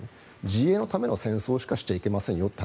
自衛のための戦争しかしちゃいけませんよって